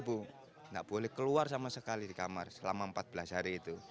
tidak boleh keluar sama sekali di kamar selama empat belas hari itu